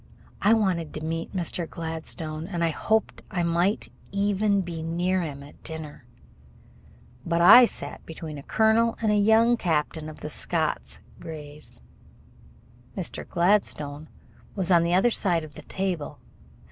I wanted to meet Mr. Gladstone, and hoped I might even be near him at dinner; but I sat between a colonel and a young captain of the Scots Greys. Mr. Gladstone was on the other side of the table.